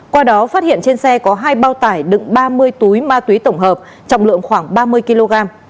qua đó phát hiện trên xe có hai bao tải đựng ba mươi túi ma túy tổng hợp trọng lượng khoảng ba mươi kg